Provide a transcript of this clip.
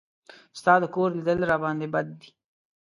ستا د کور لیدل راباندې بد دي.